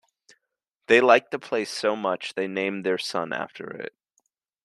They liked the place so much they named their son after it.